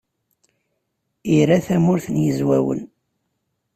Ira Tamurt n Yizwawen.